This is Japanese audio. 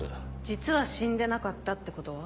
実は死んでなかったってことは？